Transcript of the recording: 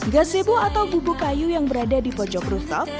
gazebo atau bubuk kayu yang berada di pojok rooftop